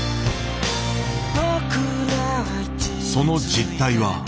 その実体は。